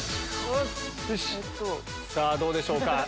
さぁどうでしょうか？